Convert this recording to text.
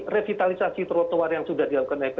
revitalisasi trotoar yang sudah dilakukan eko kampung